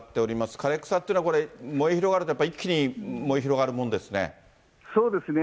枯れ草というのは燃え広がるとやっぱり一気に燃え広がるものですそうですね。